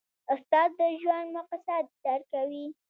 استاد د ژوند مقصد درکوي.